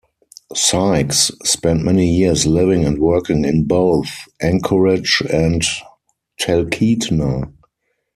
Sykes spent many years living and working in both Anchorage and Talkeetna.